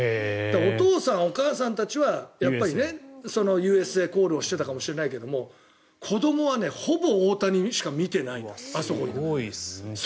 お父さん、お母さんたちはＵＳＡコールをしていたかもしれないけど子どもはほぼ大谷しか見てないってあそこにいた。